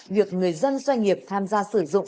việc người dân doanh nghiệp tham gia sử dụng